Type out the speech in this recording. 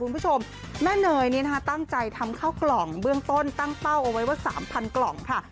คุณผู้ชมแม่เนยนี่นะคะตั้งใจทำข้าวกล่องเบื้องต้นตั้งเป้าเอาไว้ว่า๓๐๐กล่องค่ะ